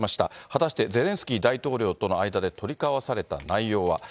果たしてゼレンスキー大統領との間で取り交わされた内容は。